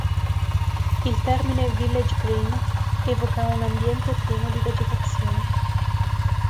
Il termine "village green" evoca un ambiente pieno di vegetazione.